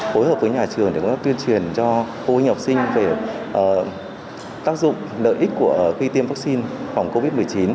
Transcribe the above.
hối hợp với nhà trường để tuyên truyền cho cô anh học sinh về tác dụng lợi ích của khi tiêm vaccine phòng covid một mươi chín